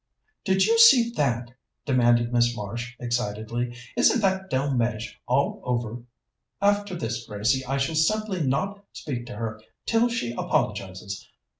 "Did you see that?" demanded Miss Marsh excitedly. "Isn't that Delmege all over? After this, Gracie, I shall simply not speak to her till she apologizes.